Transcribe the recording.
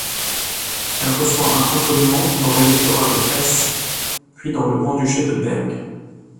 Elle reçoit un cantonnement dans l'électorat de Hesse puis dans le grand-duché de Berg.